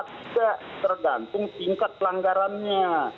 tidak tergantung tingkat pelanggarannya